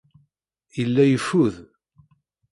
Yella yeffud.